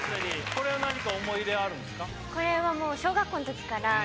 これは何か思い入れあるんですか？